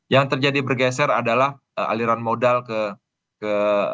yang terjadi bergeser adalah aliran modal ke